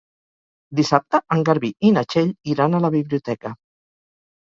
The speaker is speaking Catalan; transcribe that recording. Dissabte en Garbí i na Txell iran a la biblioteca.